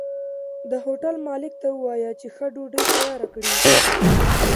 د هوټل مالک ته ووايه چې ښه ډوډۍ تياره کړي